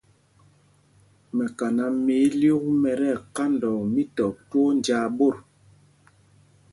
Mɛkaná mɛ ílyûk mɛ ti ɛkandɔɔ mítɔp twóó njāā ɓot.